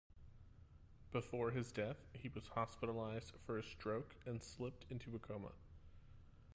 Before his death, he was hospitalized for a stroke and slipped into a coma.